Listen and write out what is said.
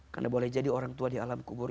karena boleh jadi orang tua di alam kubur